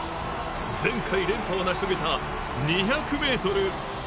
前回連覇を成し遂げた２００ｍ。